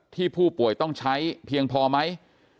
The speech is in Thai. ที่ผู้ป่วยต้องใช้เพียงพอไหม